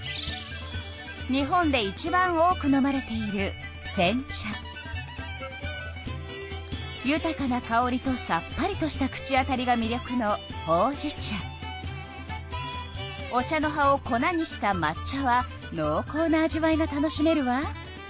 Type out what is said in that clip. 日本でいちばん多く飲まれているゆたかなかおりとさっぱりとした口当たりがみりょくのお茶の葉を粉にしたまっ茶はのうこうな味わいが楽しめるわ。